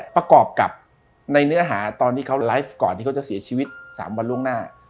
ประกอบกับในเนื้อหาตอนที่เขาไลฟ์ก่อนที่เขาจะเสียชีวิต๓วันล่วงหน้า